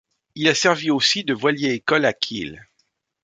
Il a servi aussi de voilier-école à Kiel.